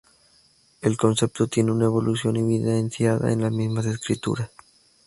El concepto tiene una evolución evidenciada en las mismas Escrituras.